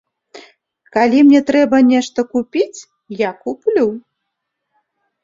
Калі мне трэба нешта купіць, я куплю.